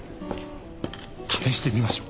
試してみましょう。